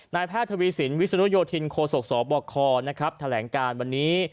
แพทย์ทวีสินวิศนุโยธินโคศกสบคแถลงการวันนี้